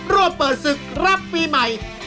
ร่วมเปิดศึกรับปีใหม่